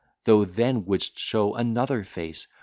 Thou then wouldst show another face.